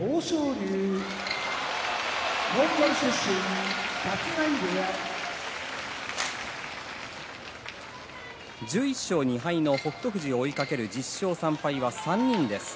龍モンゴル出身立浪部屋１１勝２敗の北勝富士を追いかける１０勝３敗が３人です。